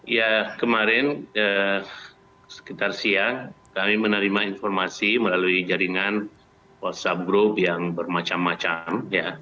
ya kemarin sekitar siang kami menerima informasi melalui jaringan whatsapp group yang bermacam macam